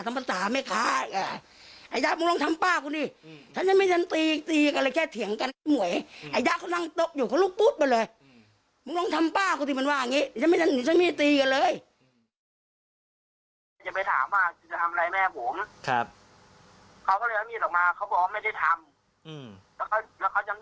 ถ้าตำรวจจะเรียกตัวเขาก็ยินดีจะให้ความร่วมมือกับตำรวจเขาบอกแบบนี้นะคะ